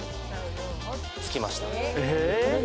つきました。